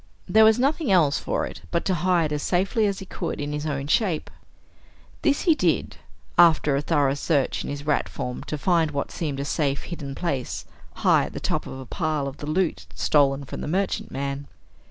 There was nothing else for it but to hide as safely as he could in his own shape. This he did, after a thorough search in his rat form to find what seemed a safe, hidden place high at the top of a pile of the loot stolen from the merchantman.